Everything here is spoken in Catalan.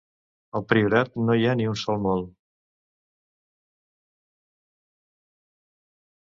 Al Priorat no hi ha ni un sol mol